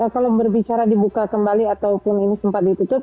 kalau berbicara dibuka kembali ataupun ini sempat ditutup